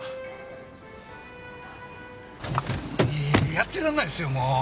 やってらんないっすよも。